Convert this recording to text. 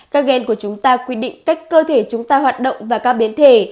các gen của chúng ta quy định cách cơ thể chúng ta hoạt động và các biến thể